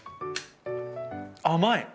甘い！